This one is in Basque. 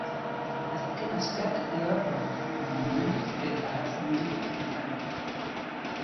Azken asteak lehor doaz, baina momentuz ez da arazo handirik izan.